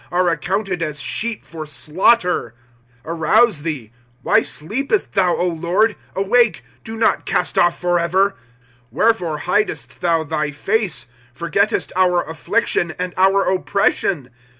Are accounted as sheep for slaughter. ^^ Arouse thee ; why sleepest thou, Lord ? Awake ; do not cast off forever. ^* Wherefore hidest thou thy face, Porgettest our affliction and our oppression